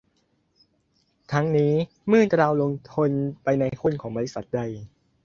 ทั้งนี้ เมื่อเราลงทุนไปในหุ้นของบริษัทใด